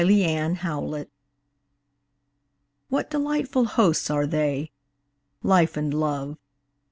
A PARTING GUEST WHAT delightful hosts are they Life and Love!